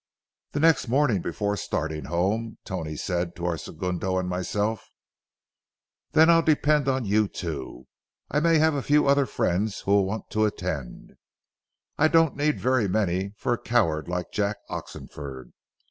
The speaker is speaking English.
The next morning, before starting home, Tony said to our segundo and myself;— "Then I'll depend on you two, and I may have a few other friends who will want to attend. I don't need very many for a coward like Jack Oxenford.